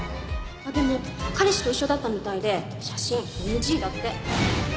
でも彼氏と一緒だったみたいで写真ＮＧだって。